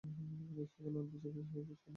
সেখানে আট বছর কাজ করে রাজশাহীতে চলে আসেন।